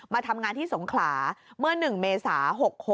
มาทำงานที่สงขลาเมื่อ๑เมษา๖๖